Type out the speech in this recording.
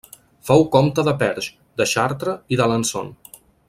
Fou comte de Perche, de Chartres i d'Alençon.